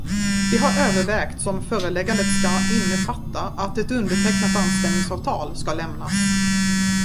Det har övervägts om föreläggandet ska innefatta att ett undertecknat anställningsavtal ska lämnas.